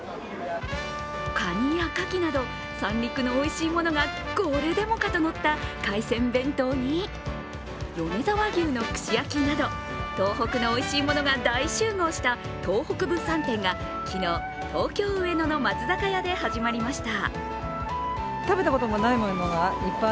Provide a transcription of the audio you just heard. かにやかきなど、三陸のおいしいものがこれでもかとのった海鮮弁当に米沢牛の串焼きなど、東北のおいしいものが大集合した東北物産展が昨日、東京・上野の松坂屋で始まりました。